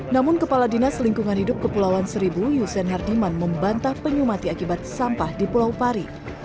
namun kepala dinas lingkungan hidup kepulauan seribu yusen herdiman membantah penyu mati akibat sampah di pulau pari